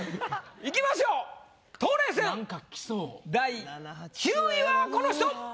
いきましょう冬麗戦第９位はこの人！